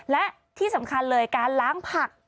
และที่สำคัญเลยการล้างผัก